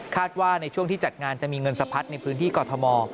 ว่าในช่วงที่จัดงานจะมีเงินสะพัดในพื้นที่กอทม